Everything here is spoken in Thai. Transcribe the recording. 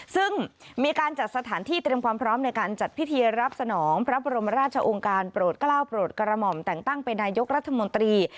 ซึ่งมีการจัดสถานที่เตรียมความพร้อมในการจัดพิธีรับสนองพระบรมราชองค์การโปรดกล้าวโปรดกระหม่อมแต่งตั้งเป็นนายกรัฐมนตรี